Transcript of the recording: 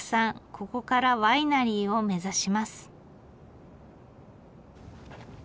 ここからワイナリーを目指します。